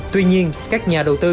tuy nhiên các nhà đầu tư